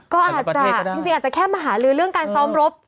ก็อาจจะจริงอาจจะแค่มหาลือเรื่องการซ้อมรบ